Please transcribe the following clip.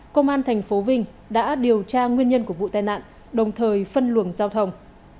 công an tp vinh đã điều tra nguyên nhân của vụ tai nạn đồng thời phân luồng giao thông